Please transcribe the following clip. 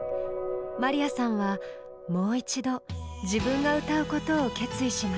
まりやさんはもう一度自分が歌うことを決意します。